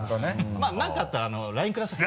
まぁ何かあったらＬＩＮＥください。